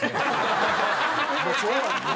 もうそうやんな。